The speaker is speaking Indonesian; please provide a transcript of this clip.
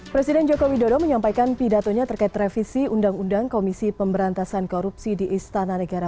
presiden joko widodo menyampaikan pidatonya terkait revisi undang undang komisi pemberantasan korupsi di istana negara